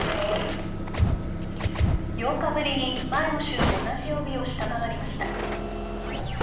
８日ぶりに前の週の同じ曜日を下回りました。